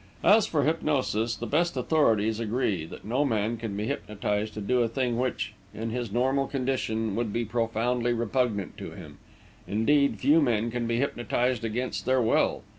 As for hypnosis, the best authorities agree that no man can be hypnotised to do a thing which, in his normal condition, would be profoundly repugnant to him. Indeed, few men can be hypnotised against their will.